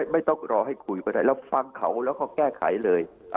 ไม่ต้องรอให้คุยก็ได้แล้วฟังเขาแล้วก็แก้ไขเลย